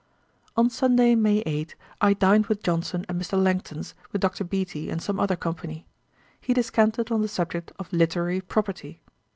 On Sunday, May 8, I dined with Johnson at Mr. Langton's with Dr. Beattie and some other company. He descanted on the subject of Literary Property.